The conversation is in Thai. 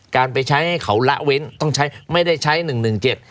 การไปใช้ให้เขาละเว้นต้องใช้ไม่ได้ใช้หนึ่งหนึ่งเจ็ด